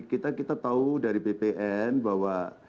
kita tahu dari bpn bahwa